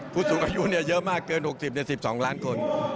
ผู้สูงอายุเยอะมากเกิน๖๐๑๒ล้านคน